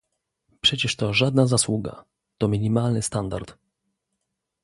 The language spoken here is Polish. Przecież to żadna zasługa, to minimalny standard